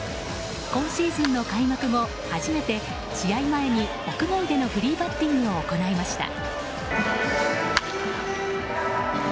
今シーズンの開幕後初めて試合前に屋外でのフリーバッティングを行いました。